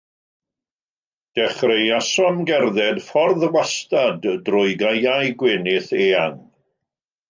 Dechreuasom gerdded ffordd wastad drwy gaeau gwenith eang.